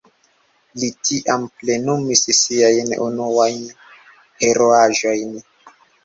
Li tiam plenumis siajn unuajn heroaĵojn.